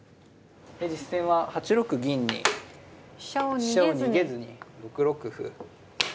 実戦は８六銀に飛車を逃げずに６六歩。